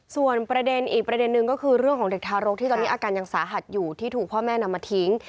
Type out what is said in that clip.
ส่วนประเด็นอีกประเด็นนึงก็คือเรื่องของเด็กทารกที่ตอนนี้อาการยังสาหัสอยู่ที่ถูกพ่อแม่นำมาทิ้ง